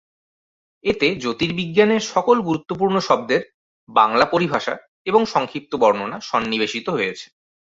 এতে জ্যোতির্বিজ্ঞানের সকল গুরুত্বপূর্ণ শব্দের বাংলা পরিভাষা এবং সংক্ষিপ্ত বর্ণনা সন্নিবেশিত হয়েছে।